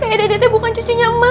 kayak dede bukan cucunya emak